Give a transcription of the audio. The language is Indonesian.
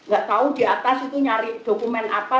nggak tahu di atas itu nyari dokumen apa